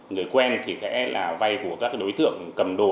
người quen thì sẽ là vay của các đối tượng cầm đồ